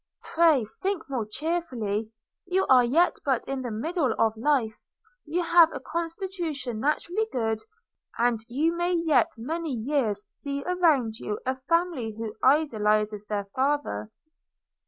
Pray think more cheerfully: you are yet but in the middle of life; you have a constitution naturally good; and you may yet many years see around you a family who idolize their father.'